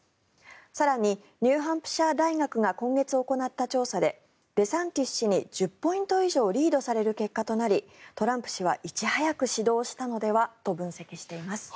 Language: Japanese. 更にニューハンプシャー大学が今月行った調査でデサンティス氏に１０ポイント以上リードされる結果となりトランプ氏はいち早く始動したのではと分析しています。